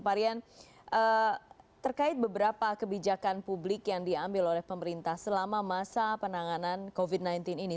pak rian terkait beberapa kebijakan publik yang diambil oleh pemerintah selama masa penanganan covid sembilan belas ini